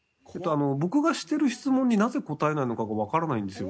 あの僕がしてる質問になぜ答えないのかがわからないんですよ。